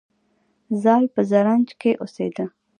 زال په زرنج کې اوسیده